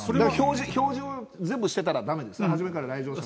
表示を全部してたらだめですよ、初めから。